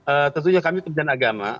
eee tentunya kami kementerian agama